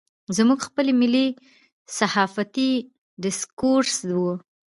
زموږ خپل ملي صحافتي ډسکورس و.